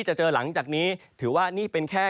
เจอหลังจากนี้ถือว่านี่เป็นแค่